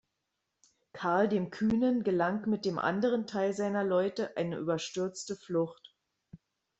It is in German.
Karl dem Kühnen gelang mit dem anderen Teil seiner Leute eine überstürzte Flucht.